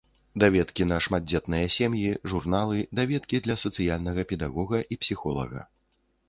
Даведкі на шматдзетныя сем'і, журналы, даведкі для сацыяльнага педагога і псіхолага.